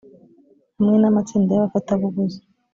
hamwe n amatsinda y abafatabuguzi